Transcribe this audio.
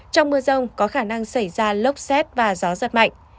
trong mưa rông có khả năng xảy ra lốc xét và gió giật mạnh